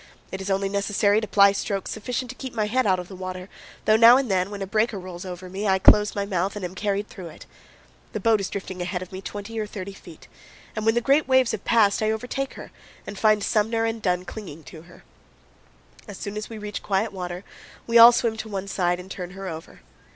It is only necessary to ply strokes sufficient to keep my head out of the water, though now and then, when a breaker rolls over me, I close my mouth and am carried through it. The boat is drifting ahead of me 20 or 30 feet, and when the great waves have passed I overtake her and find Sumner and Dunn clinging to her. As soon as we reach quiet water we all swim to one side and turn her over.